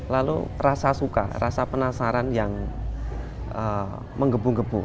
lalu rasa suka rasa penasaran yang menggebu gebu